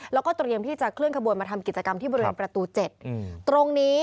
แล้วก็เตรียมที่จะเคลื่อนขบวนมาทำกิจกรรมที่บริเวณประตู๗ตรงนี้